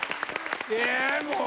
えもう。